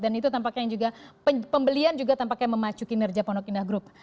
dan itu tampaknya juga pembelian juga tampaknya memacuki kinerja pondok indah group